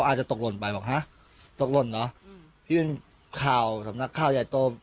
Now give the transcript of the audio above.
อาจจะตกหล่นไปบอกฮะตกหล่นเหรอพี่เป็นข่าวสำนักข่าวใหญ่โต